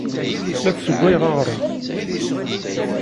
La d-ssewwayeɣ aɣrum.